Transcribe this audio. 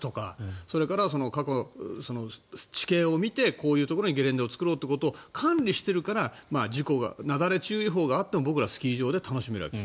それから、地形を見てこういうところにゲレンデを作ろうということを管理しているからなだれ注意報があっても僕らはスキー場で楽しめるわけです。